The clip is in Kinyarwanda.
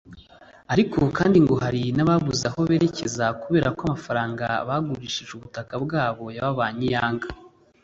Ariko kandi ngo hari n’ababuze aho berekeza kubera ko amafaranga bagurishije ubutaka bwabo yababanye iyanga